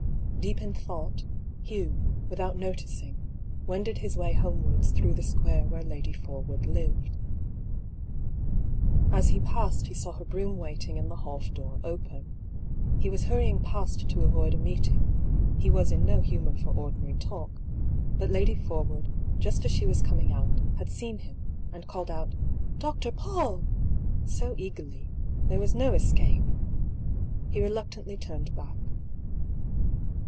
Deep in thought, Hugh, without noticing, wended his way homewards through the square where Lady Forwood lived. As he passed he saw her brougham waiting and the half door open. He was hurrying past to avoid a meet 248 I>K PAULL'S THEORY. ing — ^he was in no hnmonr for ordinary talk — bat Lady Forwoody jnst as she was coming out, had seen him, and called ont '^ Dr. Paull !" so eagerly, there was no escape. He reluctantly turned back.